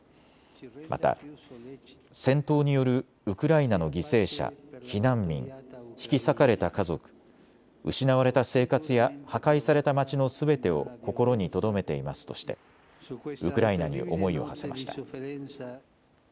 また、戦闘によるウクライナの犠牲者、避難民、引き裂かれた家族、失われた生活や破壊された町のすべてを心にとどめていますとしてウクライナに思いをはせました。